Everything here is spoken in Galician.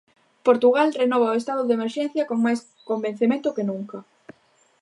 Portugal renova o estado de emerxencia con máis convencemento que nunca.